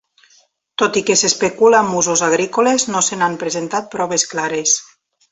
Tot i que s'especula amb usos agrícoles, no se n'han presentat proves clares.